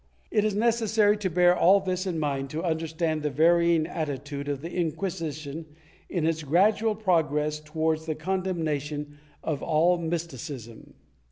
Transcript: ^ It is necessary to bear all this in mind to understand the varying attitude of the Inquisition in its gradual progress towards the condemnation of all mysticism.